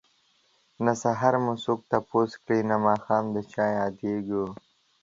نه سحر مو څوک تپوس کړي نه ماښام ده چه ياديږم